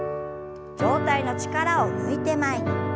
上体の力を抜いて前に。